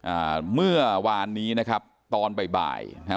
อ่าเมื่อวานนี้นะครับตอนบ่ายบ่ายนะฮะ